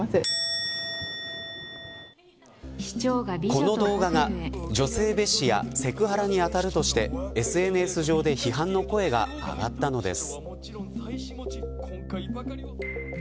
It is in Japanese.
この動画が女性蔑視やセクハラに当たるとしてＳＮＳ上で批判の声が上がったのです。